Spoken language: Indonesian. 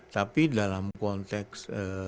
tapi dalam konteks